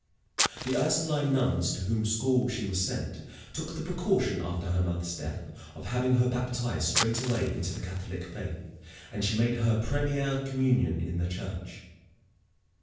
The Ursuline nuns, to whose school she was sent, took the precaution, after her mother's death, of having her baptized straightway into the Catholic faith, and she made her première communion in their church.